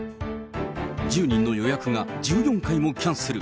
１０人の予約が１４回もキャンセル。